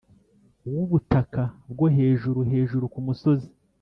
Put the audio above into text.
wubutaka bwo hejuru hejuru ku musozi